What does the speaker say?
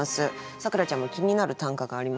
咲楽ちゃんも気になる短歌がありましたらですね